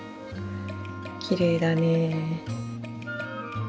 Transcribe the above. きれいだね。